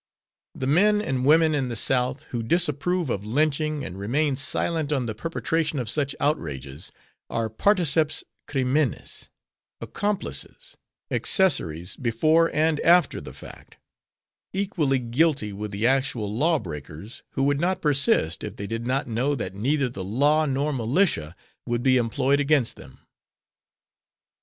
The men and women in the South who disapprove of lynching and remain silent on the perpetration of such outrages, are particeps criminis, accomplices, accessories before and after the fact, equally guilty with the actual lawbreakers who would not persist if they did not know that neither the law nor militia would be employed against them.